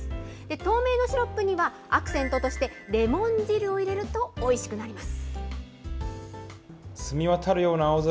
透明のシロップには、アクセントとしてレモン汁を入れるとおいしくなります。